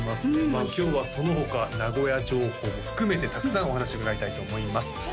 今日はその他名古屋情報も含めてたくさんお話伺いたいと思います